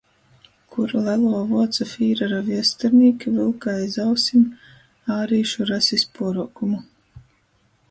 Kur leluo vuocu fīrera viesturnīki vylka aiz ausim ārīšu rasis puoruokumu...